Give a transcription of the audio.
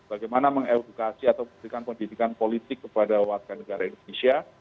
bagaimana mengedukasi atau memberikan pendidikan politik kepada warga negara indonesia